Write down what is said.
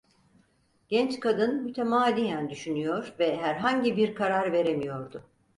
Genç kadın mütemadiyen düşünüyor ve herhangi bir karar veremiyordu.